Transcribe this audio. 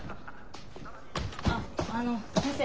あっあの先生。